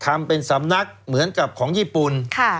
ทำเป็นสำนักเหมือนกับของญี่ปุ่น